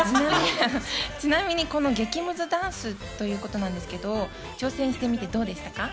ちなみに、この激むずダンスということなんですけど、挑戦してみてどうでしたか？